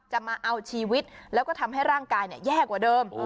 มาเอาชีวิตแล้วก็ทำให้ร่างกายแย่กว่าเดิม